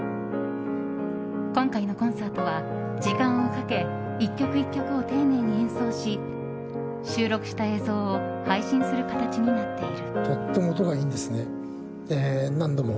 今回のコンサートは時間をかけ１曲１曲を丁寧に演奏し収録した映像を配信する形になっている。